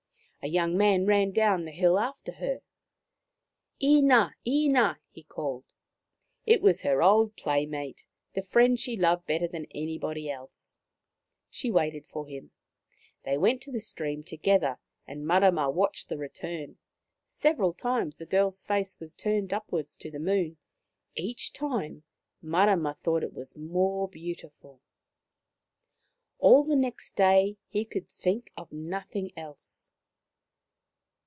A young man ran down the hill after her. " Ina ! Ina !" he called. It was her old playmate, the friend she loved better than anybody else. She waited for him. They went to the stream together, and Marama watched the return. Several times the girl's face was turned upwards to the moon ; each time Marama thought it more beautiful. All next day he could think of nothing else.